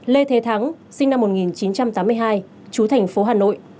lê thế thắng sinh năm một nghìn chín trăm tám mươi hai chú thành phố hà nội